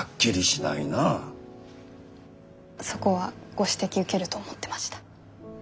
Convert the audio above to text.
そこはご指摘受けると思ってました。